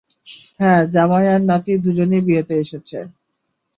হ্যাঁ, জামাই আর নাতি দুজনই বিয়েতে এসেছে।